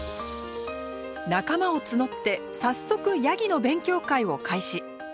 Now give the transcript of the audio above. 仲間を募って早速ヤギの勉強会を開始。